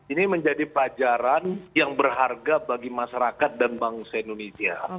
ini menjadi pelajaran yang berharga bagi masyarakat dan bangsa indonesia